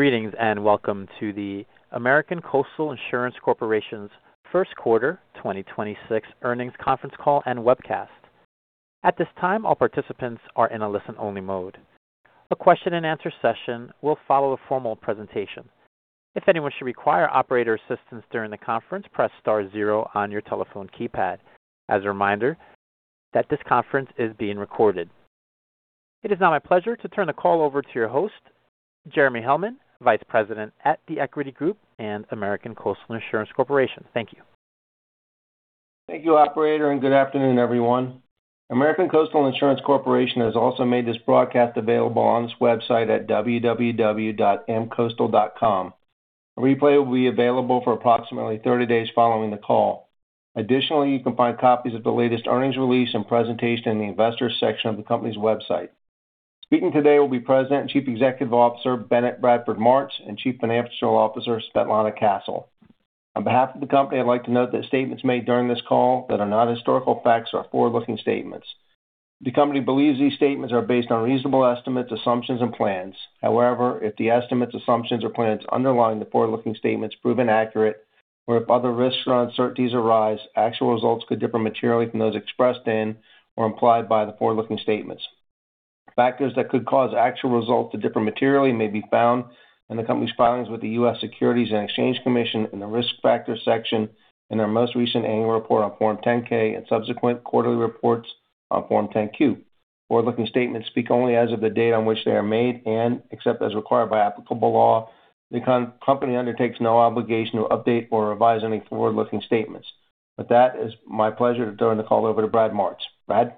Greetings and welcome to the American Coastal Insurance Corporation's first quarter 2026 earnings conference call and webcast. At this time, all participants are in a listen-only mode. A question and answer session will follow a formal presentation. If anyone should require operator assistance during the conference, press star zero on your telephone keypad. As a reminder that this conference is being recorded. It is now my pleasure to turn the call over to your host, Jeremy Hellman, Vice President at The Equity Group and American Coastal Insurance Corporation. Thank you. Thank you, operator, and good afternoon, everyone. American Coastal Insurance Corporation has also made this broadcast available on its website at www.amcoastal.com. A replay will be available for approximately 30 days following the call. Additionally, you can find copies of the latest earnings release and presentation in the investors section of the company's website. Speaking today will be President and Chief Executive Officer, Bennett Bradford Martz, and Chief Financial Officer, Svetlana Castle. On behalf of the company, I'd like to note that statements made during this call that are not historical facts are forward-looking statements. The company believes these statements are based on reasonable estimates, assumptions, and plans. However, if the estimates, assumptions, or plans underlying the forward-looking statements prove inaccurate, or if other risks or uncertainties arise, actual results could differ materially from those expressed in or implied by the forward-looking statements. Factors that could cause actual results to differ materially may be found in the company's filings with the U.S. Securities and Exchange Commission in the Risk Factors section in our most recent annual report on Form 10-K and subsequent quarterly reports on Form 10-Q. Forward-looking statements speak only as of the date on which they are made, and except as required by applicable law, the company undertakes no obligation to update or revise any forward-looking statements. With that, it's my pleasure to turn the call over to Brad Martz. Brad?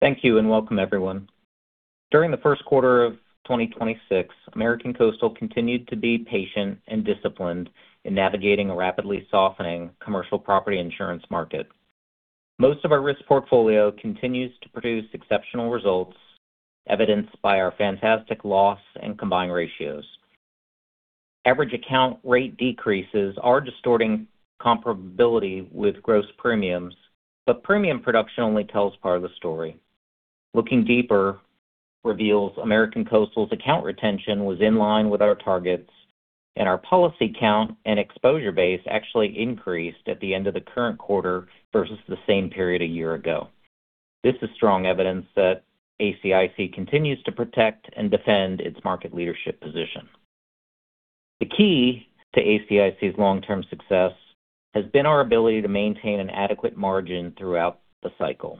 Thank you, and welcome, everyone. During the first quarter of 2026, American Coastal continued to be patient and disciplined in navigating a rapidly softening commercial property insurance market. Most of our risk portfolio continues to produce exceptional results, evidenced by our fantastic loss and combined ratios. Average account rate decreases are distorting comparability with gross premiums, but premium production only tells part of the story. Looking deeper reveals American Coastal's account retention was in line with our targets, and our policy count and exposure base actually increased at the end of the current quarter versus the same period a year ago. This is strong evidence that ACIC continues to protect and defend its market leadership position. The key to ACIC's long-term success has been our ability to maintain an adequate margin throughout the cycle.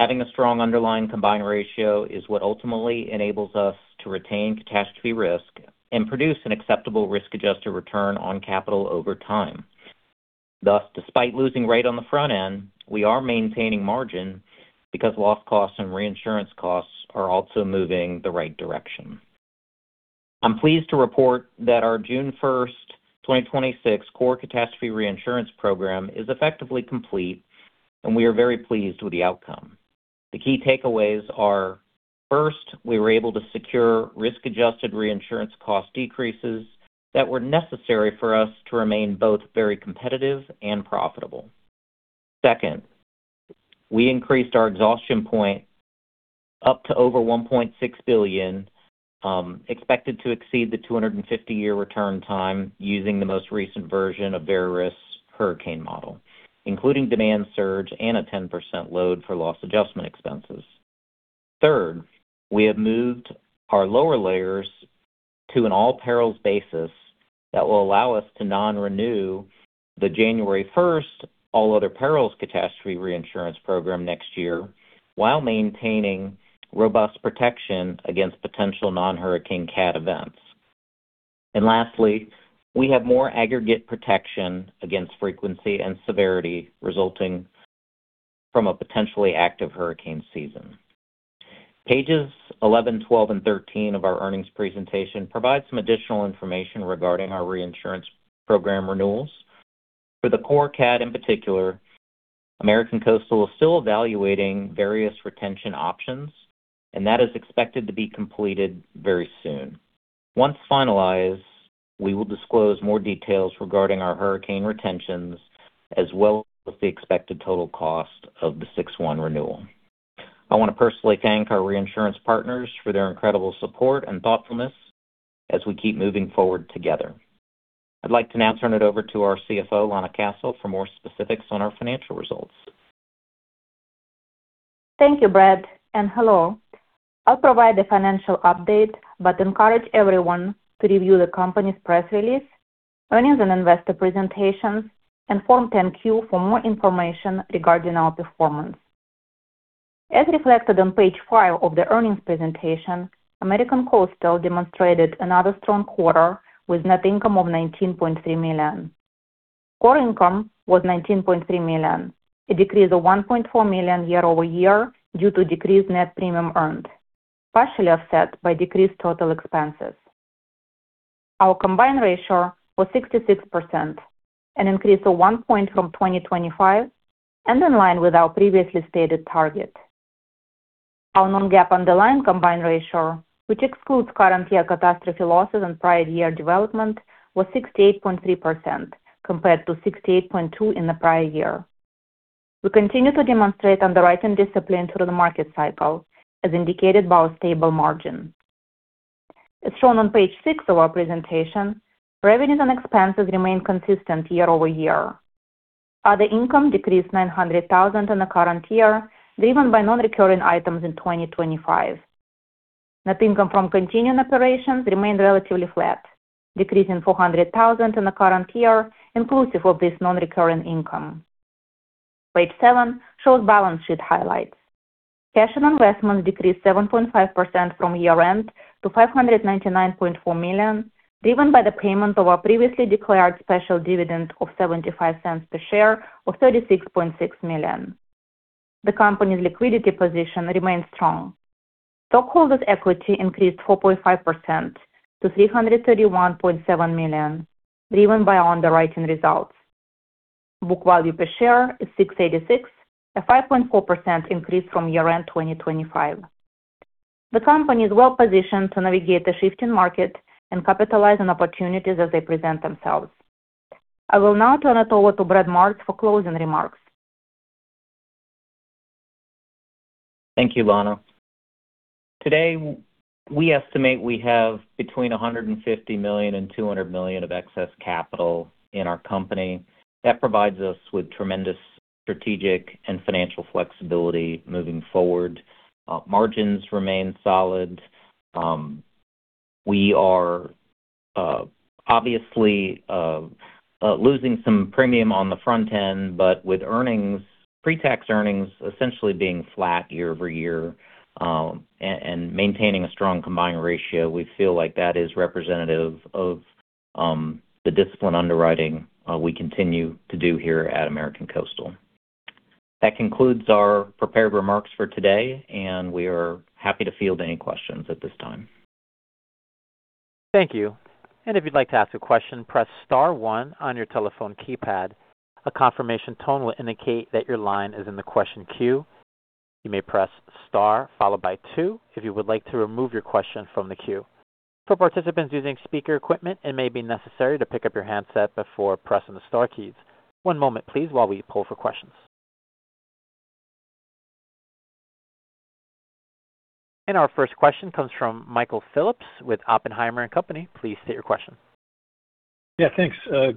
Having a strong underlying combined ratio is what ultimately enables us to retain catastrophe risk and produce an acceptable risk-adjusted return on capital over time. Despite losing rate on the front end, we are maintaining margin because loss costs and reinsurance costs are also moving the right direction. I'm pleased to report that our June 1st, 2026 core catastrophe reinsurance program is effectively complete, and we are very pleased with the outcome. The key takeaways are, First, we were able to secure risk-adjusted reinsurance cost decreases that were necessary for us to remain both very competitive and profitable. Second, we increased our exhaustion point up to over $1.6 billion, expected to exceed the 250-year return time using the most recent version of Verisk's hurricane model, including demand surge and a 10% load for loss adjustment expenses. Third, we have moved our lower layers to an all-perils basis that will allow us to non-renew the January first all other perils catastrophe reinsurance program next year while maintaining robust protection against potential non-hurricane CAT events. Lastly, we have more aggregate protection against frequency and severity resulting from a potentially active hurricane season. Pages 11, 12, and 13 of our earnings presentation provide some additional information regarding our reinsurance program renewals. For the core CAT in particular, American Coastal is still evaluating various retention options, and that is expected to be completed very soon. Once finalized, we will disclose more details regarding our hurricane retentions as well as the expected total cost of the 6/1 renewal. I want to personally thank our reinsurance partners for their incredible support and thoughtfulness as we keep moving forward together. I'd like to now turn it over to our CFO, Lana Castle, for more specifics on our financial results. Thank you, Brad, and hello. I'll provide the financial update, but encourage everyone to review the company's press release, earnings and investor presentations, and Form 10-Q for more information regarding our performance. As reflected on page five of the earnings presentation, American Coastal demonstrated another strong quarter with net income of $19.3 million. Core income was $19.3 million, a decrease of $1.4 million year-over-year due to decreased net premium earned, partially offset by decreased total expenses. Our combined ratio was 66%, an increase of 1 point from 2025 and in line with our previously stated target. Our non-GAAP underlying combined ratio, which excludes current year catastrophe losses and prior year development, was 68.3% compared to 68.2 in the prior year. We continue to demonstrate underwriting discipline through the market cycle, as indicated by our stable margin. As shown on page six of our presentation, revenues and expenses remain consistent year-over-year. Other income decreased $900,000 in the current year, driven by non-recurring items in 2025. Net income from continuing operations remained relatively flat, decreasing $400,000 in the current year, inclusive of this non-recurring income. Page seven shows balance sheet highlights. Cash and investments decreased 7.5% from year-end to $599.4 million, driven by the payment of our previously declared special dividend of $0.75 per share of $36.6 million. The company's liquidity position remains strong. Stockholders' equity increased 4.5% to $331.7 million, driven by our underwriting results. Book value per share is $6.86, a 5.4% increase from year-end 2025. The company is well-positioned to navigate the shifting market and capitalize on opportunities as they present themselves. I will now turn it over to Brad Martz for closing remarks. Thank you, Lana. Today, we estimate we have between $150 million and $200 million of excess capital in our company. That provides us with tremendous strategic and financial flexibility moving forward. Margins remain solid. We are obviously losing some premium on the front end, but with earnings, pre-tax earnings essentially being flat year-over-year, and maintaining a strong combined ratio, we feel like that is representative of the disciplined underwriting we continue to do here at American Coastal Insurance. That concludes our prepared remarks for today. We are happy to field any questions at this time. Thank you. If you'd like to ask a question, press star one on your telephone keypad. A confirmation tone will indicate that your line is in the question queue. You may press star followed by two if you would like to remove your question from the queue. For participants using speaker equipment, it may be necessary to pick up your handset before pressing the star keys. One moment please while we poll for questions. Our first question comes from Michael Phillips with Oppenheimer & Company. Please state your question. Yeah, thanks.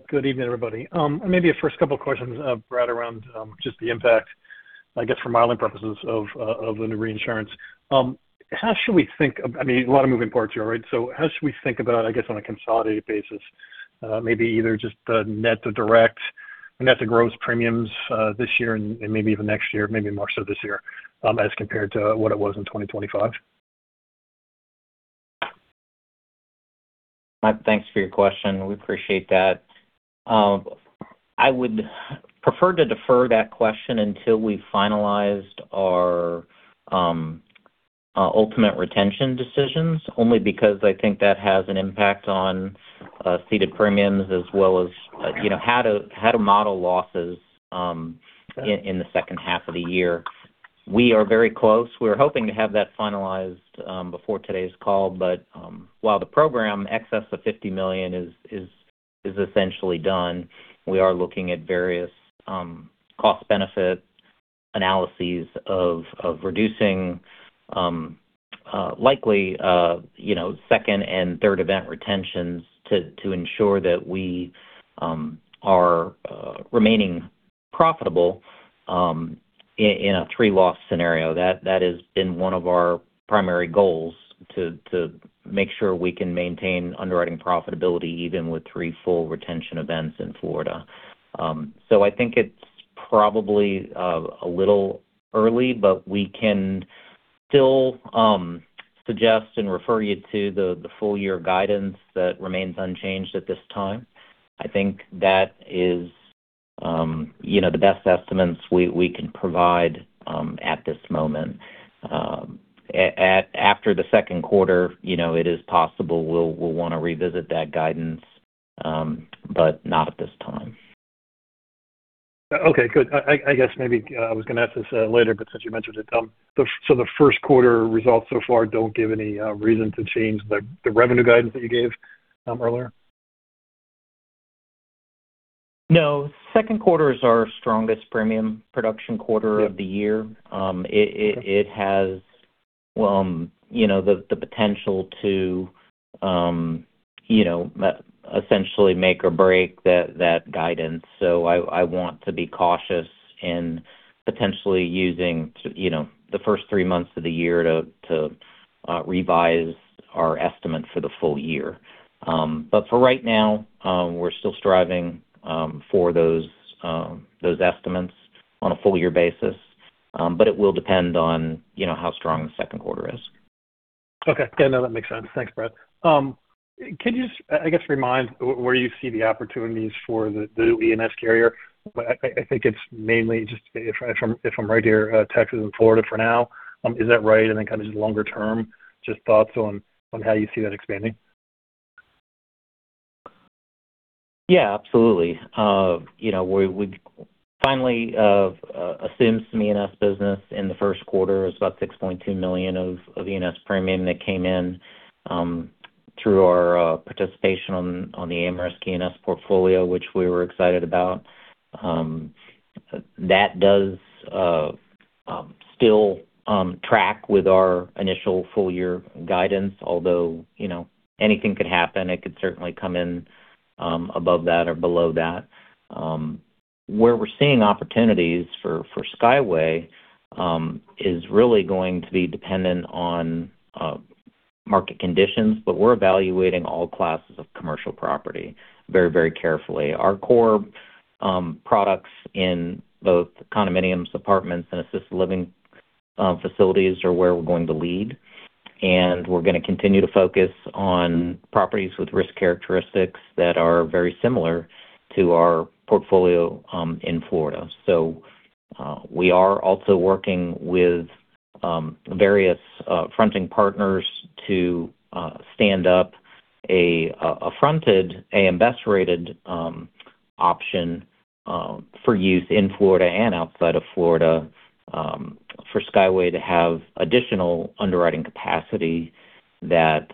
Good evening, everybody. Maybe a first couple questions, Brad, around just the impact, I guess, for modeling purposes of the new reinsurance. How should we think of, I mean, a lot of moving parts here, right? How should we think about, I guess, on a consolidated basis, maybe either just the net to direct, net to gross premiums, this year and maybe even next year, maybe more so this year, as compared to what it was in 2025? Mike, thanks for your question. We appreciate that. I would prefer to defer that question until we've finalized our ultimate retention decisions, only because I think that has an impact on ceded premiums as well as, you know, how to model losses in the second half of the year. We are very close. We're hoping to have that finalized before today's call. While the program excess of $50 million is essentially done, we are looking at various cost benefit analyses of reducing likely, you know, second and third event retentions to ensure that we are remaining profitable in a three-loss scenario. That has been one of our primary goals to make sure we can maintain underwriting profitability even with three full retention events in Florida. I think it's probably a little early. We can still suggest and refer you to the full year guidance that remains unchanged at this time. I think that is, you know, the best estimates we can provide at this moment. After the second quarter, you know, it is possible we'll want to revisit that guidance. Not at this time. Okay, good. I guess maybe I was going to ask this later, but since you mentioned it, the first quarter results so far don't give any reason to change the revenue guidance that you gave earlier? No. Second quarter is our strongest premium production quarter of the year. It has, you know, the potential to, you know, essentially make or break that guidance. I want to be cautious in potentially using to, you know, the first three months of the year to revise our estimate for the full year. For right now, we're still striving for those estimates on a full year basis. It will depend on, you know, how strong the second quarter is. Okay. Yeah, no, that makes sense. Thanks, Brad. Can you I guess remind where you see the opportunities for the E&S carrier? I think it's mainly just if I'm right here, Texas and Florida for now. Is that right? Then kind of just longer term, just thoughts on how you see that expanding. Yeah, absolutely. You know, we finally assumed some E&S business in the first quarter. It's about $6.2 million of E&S premium that came in through our participation on the AmRisc E&S portfolio, which we were excited about. That does still track with our initial full year guidance, although, you know, anything could happen. It could certainly come in above that or below that. Where we're seeing opportunities for Skyway is really going to be dependent on market conditions. We're evaluating all classes of commercial property very, very carefully. Our core products in both condominiums, apartments, and assisted living facilities are where we're going to lead. We're gonna continue to focus on properties with risk characteristics that are very similar to our portfolio in Florida. We are also working with various fronting partners to stand up a fronted AM Best rated option for use in Florida and outside of Florida for Skyway to have additional underwriting capacity that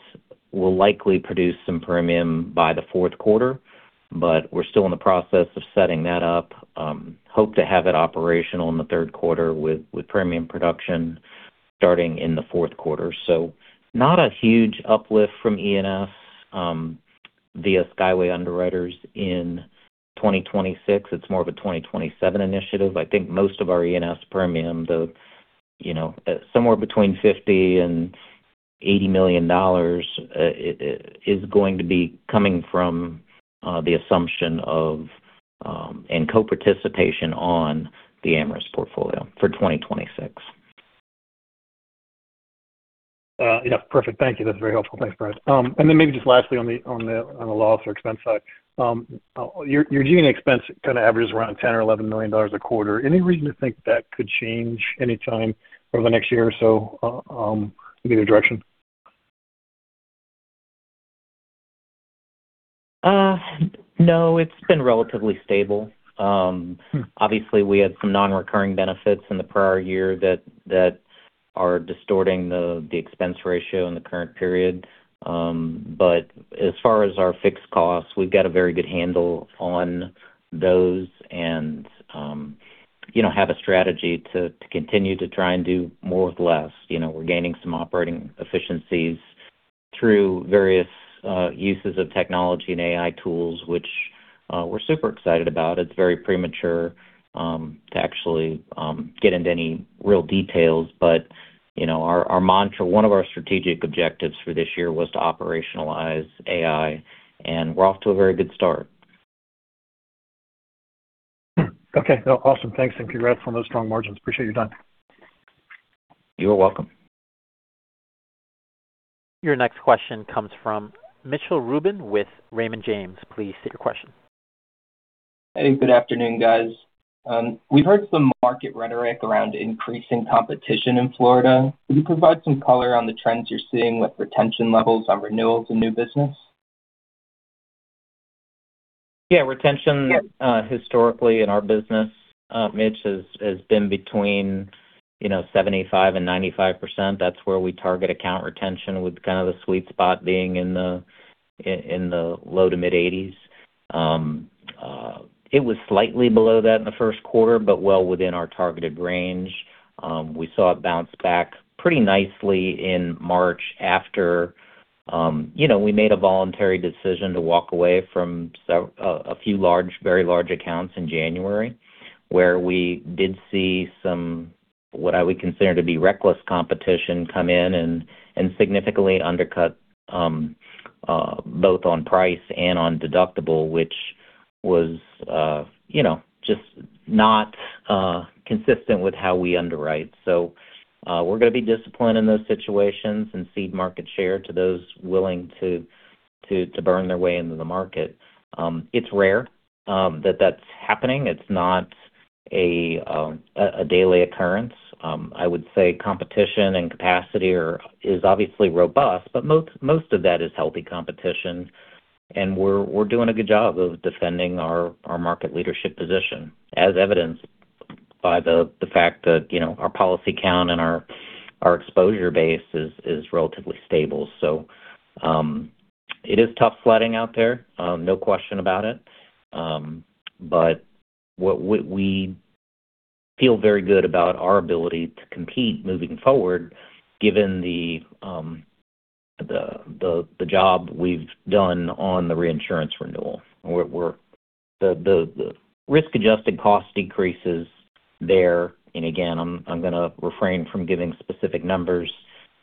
will likely produce some premium by the fourth quarter. We're still in the process of setting that up. Hope to have it operational in the third quarter with premium production starting in the fourth quarter. Not a huge uplift from E&S via Skyway Underwriters in 2026. It's more of a 2027 initiative. I think most of our E&S premium, you know, somewhere between $50 million and $80 million is going to be coming from the assumption of and co-participation on the AmRisc portfolio for 2026. Yeah, perfect. Thank you. That's very helpful. Thanks, Brad. Maybe just lastly on the loss or expense side. Your G&A expense kind of averages around $10 million or $11 million a quarter. Any reason to think that could change any time over the next year or so, either direction? No, it's been relatively stable. Obviously, we had some non-recurring benefits in the prior year that are distorting the expense ratio in the current period. As far as our fixed costs, we've got a very good handle on those and, you know, have a strategy to continue to try and do more with less. You know, we're gaining some operating efficiencies through various uses of technology and AI tools, which we're super excited about. It's very premature to actually get into any real details. You know, our mantra, one of our strategic objectives for this year was to operationalize AI, and we're off to a very good start. Okay. No, awesome. Thanks, and congrats on those strong margins. Appreciate your time. You're welcome. Your next question comes from Mitchell Rubin with Raymond James. Please state your question. Hey, good afternoon, guys. We've heard some market rhetoric around increasing competition in Florida. Can you provide some color on the trends you're seeing with retention levels on renewals and new business? Yeah. Retention, historically in our business, Mitch, has been between, you know, 75% and 95%. That's where we target account retention, with kind of the sweet spot being in the low to mid-80s. It was slightly below that in the first quarter, but well within our targeted range. We saw it bounce back pretty nicely in March after, you know, we made a voluntary decision to walk away from a few large, very large accounts in January, where we did see some, what I would consider to be reckless competition come in and significantly undercut, both on price and on deductible, which was, you know, just not consistent with how we underwrite. We're gonna be disciplined in those situations and cede market share to those willing to burn their way into the market. It's rare that that's happening. It's not a daily occurrence. I would say competition and capacity is obviously robust, but most of that is healthy competition, and we're doing a good job of defending our market leadership position, as evidenced by the fact that, you know, our policy count and our exposure base is relatively stable. It is tough flooding out there, no question about it. What we feel very good about our ability to compete moving forward given the job we've done on the reinsurance renewal. The risk-adjusted cost decreases there. Again, I'm gonna refrain from giving specific numbers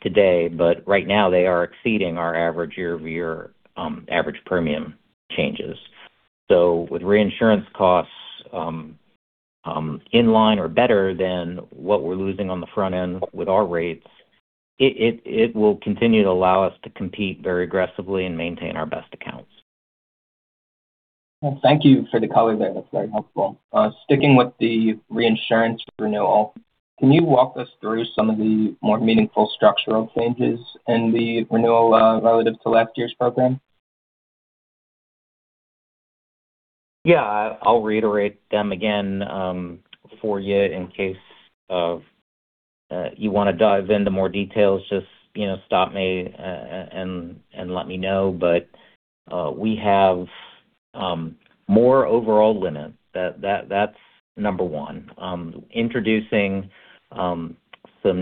today, but right now they are exceeding our average year-over-year average premium changes. With reinsurance costs in line or better than what we're losing on the front end with our rates, it will continue to allow us to compete very aggressively and maintain our best accounts. Well, thank you for the color there. That's very helpful. Sticking with the reinsurance renewal, can you walk us through some of the more meaningful structural changes in the renewal, relative to last year's program? Yeah, I'll reiterate them again for you in case you wanna dive into more details. Just, you know, stop me and let me know. We have more overall limit. That's number one. Introducing some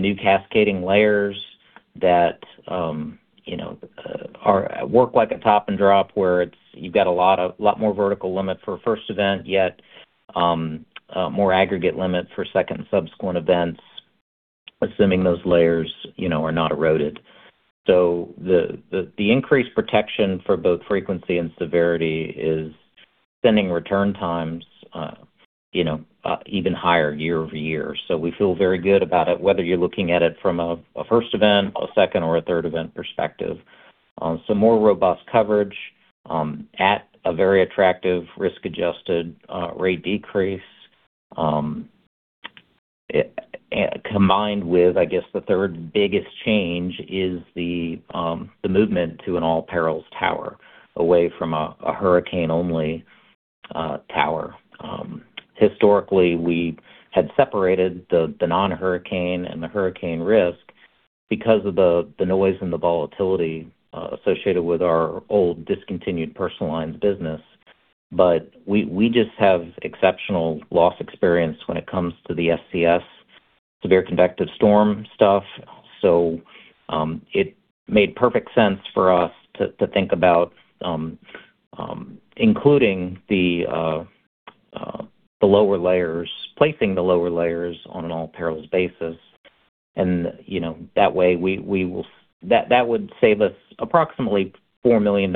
new cascading layers that, you know, work like a top and drop where it's you've got a lot more vertical limit for a first event, yet a more aggregate limit for second and subsequent events, assuming those layers, you know, are not eroded. The increased protection for both frequency and severity is extending return times, you know, even higher year-over-year. We feel very good about it, whether you're looking at it from a first event, a second, or a third event perspective. Some more robust coverage, at a very attractive risk-adjusted rate decrease. Combined with, I guess, the third-biggest change is the movement to an all perils tower away from a hurricane-only tower. Historically, we had separated the non-hurricane and the hurricane risk because of the noise and the volatility associated with our old discontinued personal lines business. We just have exceptional loss experience when it comes to the SCS, severe convective storm stuff. It made perfect sense for us to think about including the lower layers, placing the lower layers on an all perils basis. You know, that way that would save us approximately $4 million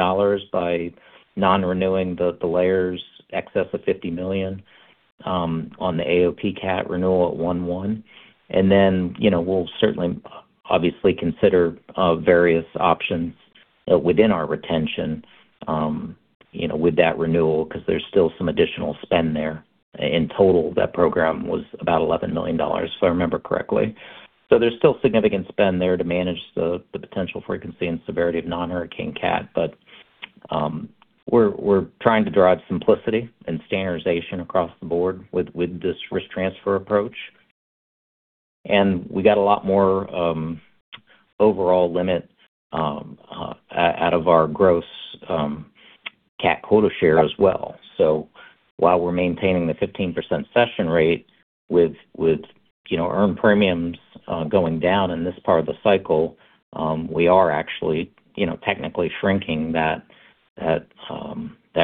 by non-renewing the layers excess of $50 million on the AOP CAT renewal at 1/1. You know, we'll certainly obviously consider various options within our retention, you know, with that renewal because there's still some additional spend there. In total, that program was about $11 million, if I remember correctly. There's still significant spend there to manage the potential frequency and severity of non-hurricane CAT. We're trying to drive simplicity and standardization across the board with this risk transfer approach. We got a lot more overall limit out of our gross CAT quota share as well. While we're maintaining the 15% cession rate with, you know, earned premiums going down in this part of the cycle, we are actually, you know, technically shrinking that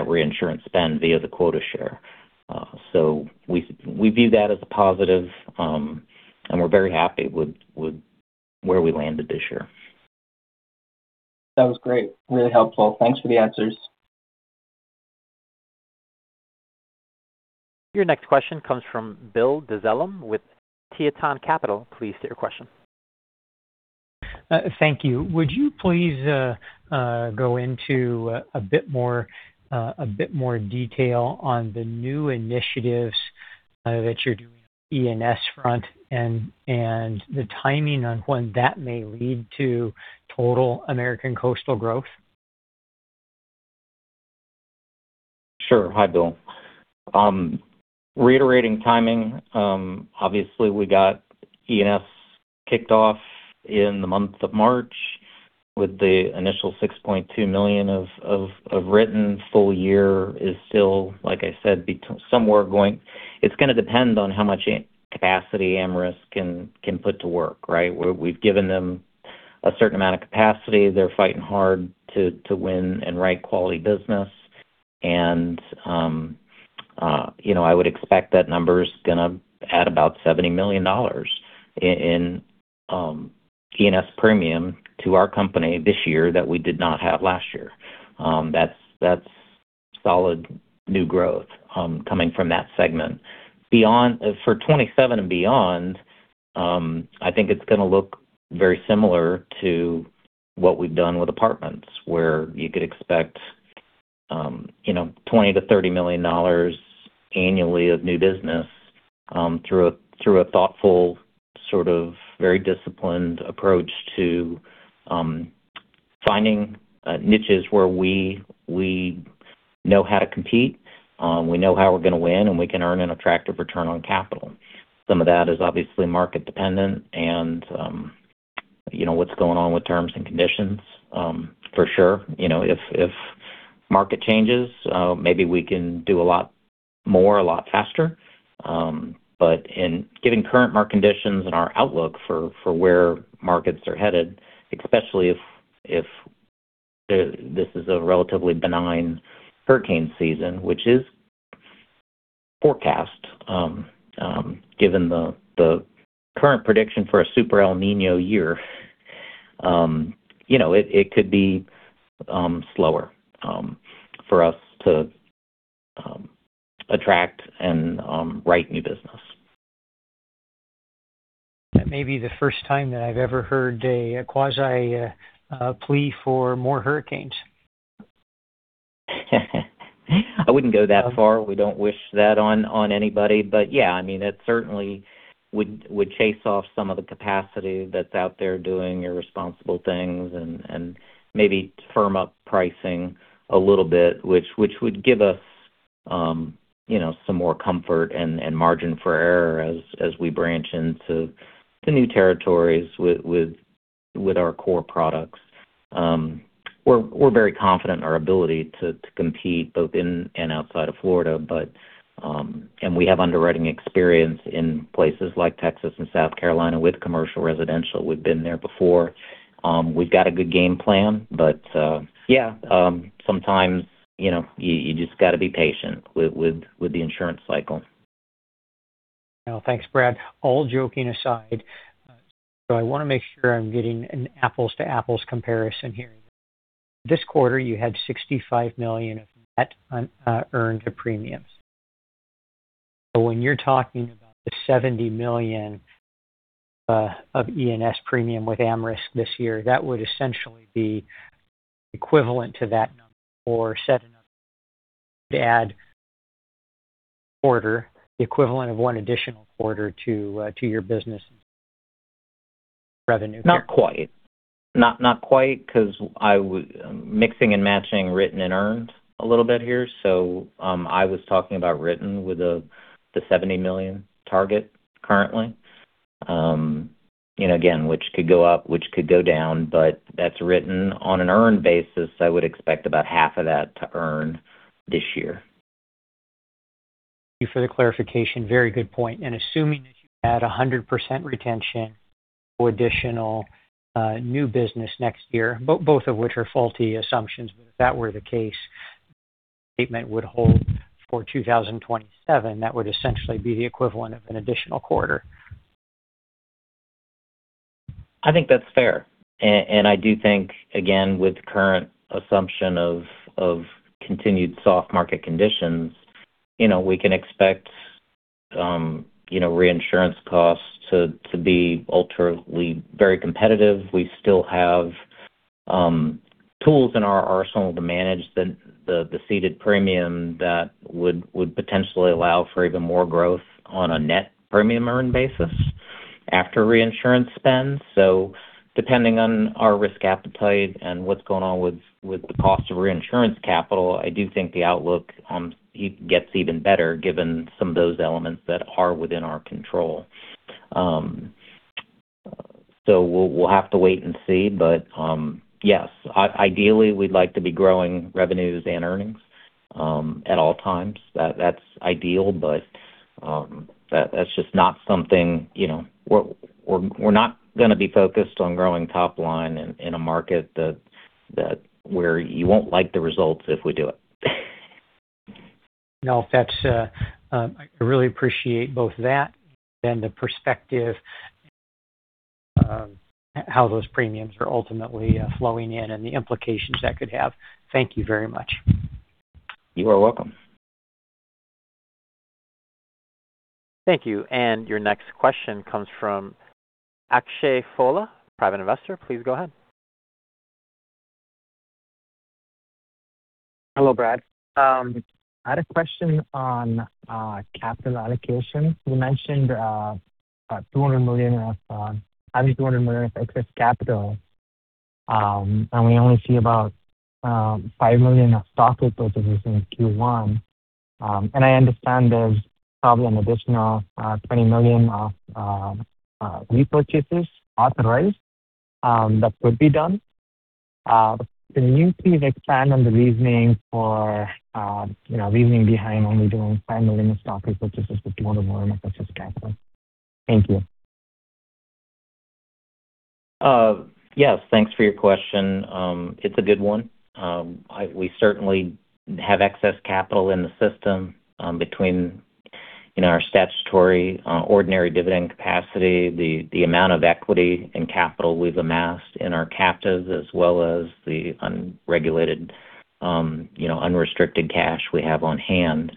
reinsurance spend via the quota share. We view that as a positive. We're very happy with where we landed this year. That was great. Really helpful. Thanks for the answers. Your next question comes from Bill Dezellem with Tieton Capital. Please state your question. Thank you. Would you please go into a bit more detail on the new initiatives that you're doing on the E&S front and the timing on when that may lead to total American Coastal growth? Sure. Hi, Bill. Reiterating timing, obviously we got E&S kicked off in the month of March with the initial $6.2 million of written. Full year is still, like I said, somewhere going. It's going to depend on how much capacity AmRisc can put to work, right? We've given them a certain amount of capacity. They're fighting hard to win and write quality business. You know, I would expect that number's going to add about $70 million in E&S premium to our company this year that we did not have last year. That's solid new growth coming from that segment. For 2027 and beyond, I think it's gonna look very similar to what we've done with apartments, where you could expect, you know, $20 million-$30 million annually of new business, through a thoughtful, sort of very disciplined approach to finding niches where we know how to compete, we know how we're gonna win, and we can earn an attractive return on capital. Some of that is obviously market dependent and, you know, what's going on with terms and conditions, for sure. You know, if market changes, maybe we can do a lot more, a lot faster. In giving current market conditions and our outlook for where markets are headed, especially if this is a relatively benign hurricane season, which is forecast, given the current prediction for a super El Niño year, you know, it could be slower for us to attract and write new business. That may be the first time that I've ever heard a quasi, a plea for more hurricanes. I wouldn't go that far. We don't wish that on anybody. Yeah, I mean, it would chase off some of the capacity that's out there doing irresponsible things and maybe firm up pricing a little bit, which would give us, you know, some more comfort and margin for error as we branch into the new territories with our core products. We're very confident in our ability to compete both in and outside of Florida, but we have underwriting experience in places like Texas and South Carolina with commercial residential. We've been there before. We've got a good game plan. Yeah, sometimes, you know, you just gotta be patient with the insurance cycle. Thanks, Brad. All joking aside, I want to make sure I'm getting an apples to apples comparison here. This quarter you had $65 million of net earned premiums. When you're talking about the $70 million of E&S premium with AmRisc this year, that would essentially be equivalent to that number or set enough to add quarter, the equivalent of one additional quarter to your business revenue. Not quite because I was mixing and matching written and earned a little bit here. I was talking about written with the $70 million target currently. Again, which could go up, which could go down, that's written. On an earn basis, I would expect about half of that to earn this year. Thank you for the clarification. Very good point. Assuming that you had 100% retention or additional new business next year, both of which are faulty assumptions, but if that were the case, statement would hold for 2027, that would essentially be the equivalent of an additional quarter. I think that's fair. I do think, again, with current assumption of continued soft market conditions, you know, we can expect, you know, reinsurance costs to be ultimately very competitive. We still have tools in our arsenal to manage the ceded premium that would potentially allow for even more growth on a net premium earn basis after reinsurance spend. Depending on our risk appetite and what's going on with the cost of reinsurance capital, I do think the outlook gets even better given some of those elements that are within our control. We'll have to wait and see. Yes, ideally, we'd like to be growing revenues and earnings at all times. That's ideal. That's just not something, you know We're not gonna be focused on growing top line in a market that where you won't like the results if we do it. No, that's, I really appreciate both that and the perspective of how those premiums are ultimately flowing in and the implications that could have. Thank you very much. You are welcome. Thank you. Your next question comes from [Akshay Fola], private investor. Please go ahead. Hello, Brad. I had a question on capital allocation. You mentioned $200 million of having $200 million of excess capital, and we only see about $5 million of stock purchases in Q1. I understand there's probably an additional $20 million of repurchases authorized that could be done. Can you please expand on the reasoning for, you know, leaving behind only doing $5 million of stock purchases with $200 million of excess capital? Thank you. Yes. Thanks for your question. It's a good one. We certainly have excess capital in the system, between our statutory ordinary dividend capacity, the amount of equity and capital we've amassed in our captives as well as the unregulated unrestricted cash we have on hand.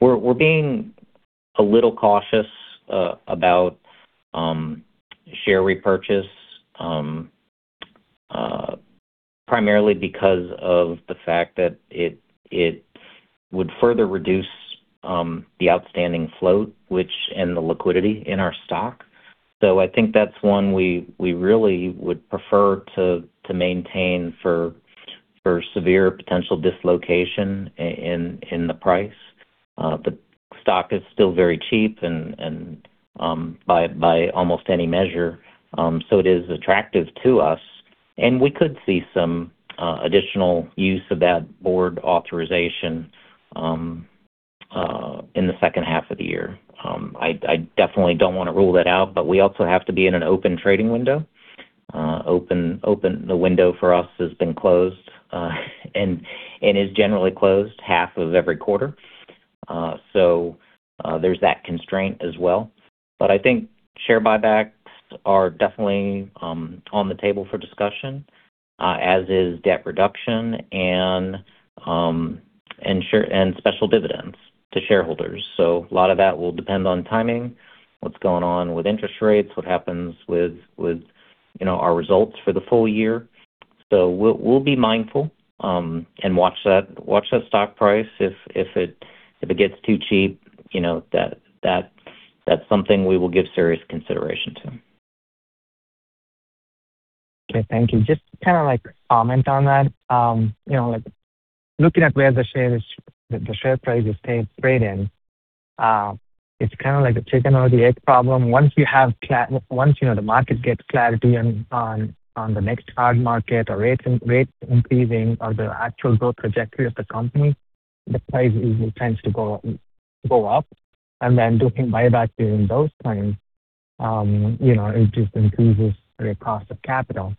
We're being a little cautious about share repurchase primarily because of the fact that it would further reduce the outstanding float, which and the liquidity in our stock. I think that's one we really would prefer to maintain for severe potential dislocation in the price. The stock is still very cheap and by almost any measure, it is attractive to us. We could see some additional use of that board authorization in the second half of the year. I definitely don't wanna rule that out, but we also have to be in an open trading window. Open the window for us has been closed and is generally closed half of every quarter. There's that constraint as well. I think share buybacks are definitely on the table for discussion as is debt reduction and special dividends to shareholders. A lot of that will depend on timing, what's going on with interest rates, what happens with, you know, our results for the full year. We'll be mindful and watch that stock price. If it gets too cheap, you know, that's something we will give serious consideration to. Thank you. Just to like comment on that. You know, like, looking at where the share price is traded, it's kind of like the chicken or the egg problem. Once you know the market gets clarity on the next hard market or rates increasing or the actual growth trajectory of the company, the price tends to go up. Doing buyback during those times, you know, it just increases your cost of capital.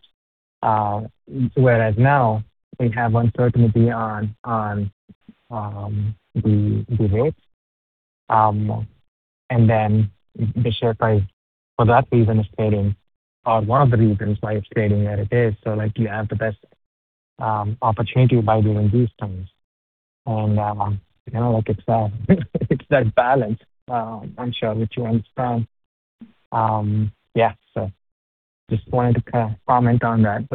Whereas now we have uncertainty on the rates. The share price for that reason is trading or one of the reasons why it's trading where it is. Like, you have the best opportunity by doing these terms. You know, like, it's that balance, I'm sure which you understand. Yeah. Just wanted to kind of comment on that.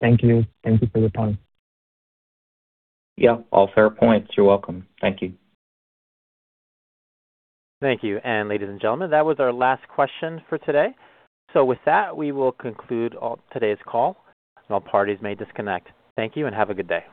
Thank you. Thank you for your time. Yeah. All fair points. You're welcome. Thank you. Thank you. Ladies and gentlemen, that was our last question for today. With that, we will conclude today's call, and all parties may disconnect. Thank you and have a good day.